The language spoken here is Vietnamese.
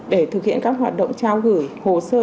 để thực hiện các hoạt động trao gửi hồ sơ